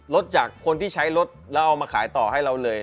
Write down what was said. รถจากคนที่ใช้รถแล้วเอามาขายต่อให้เราเลย